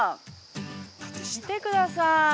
見てくださーい。